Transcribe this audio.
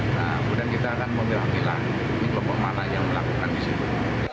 nah kemudian kita akan memilah milah kelompok mana yang melakukan disitu